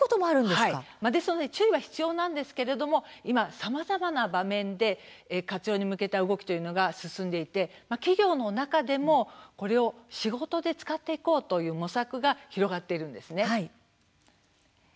ですので注意が必要なんですけれども今、さまざまな場面で活用に向けた動きというのが進んでいて、企業の中でもこれを仕事で使っていこうという模索が広がっているんです。